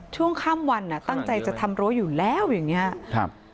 ช่วงข้ามวันอ่ะตั้งใจจะทำรั้วอยู่แล้วอย่างเงี้ยครับ